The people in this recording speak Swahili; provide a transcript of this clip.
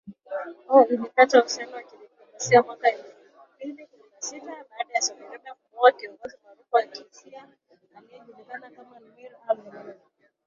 Ilikata uhusiano wa kidiplomasia mwaka elfu mbili kumi na sita , baada ya Saudi Arabia kumuua kiongozi maarufu wa kishia, aliyejulikana kama Nimr al Nimr